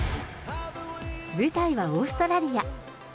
舞台はオーストラリア。